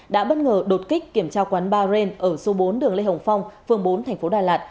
đã bất ngờ đột kích kiểm trao quán ba ren ở số bốn đường lê hồng phong phường bốn tp đà lạt